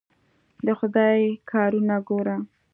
د خدای کارونه ګوره.